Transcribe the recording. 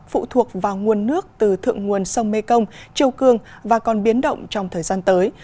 phụ thuộc vào nguồn nước từ thượng nguồn sông mê công châu cương và còn biến động trong thời gian tới